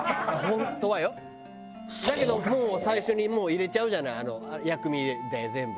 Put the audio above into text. だけどもう最初に入れちゃうじゃない薬味で全部。